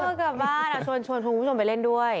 คือกลับบ้านชวนคุณผู้ชมไปเล่นด้วย